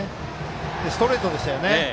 ストレートでしたよね。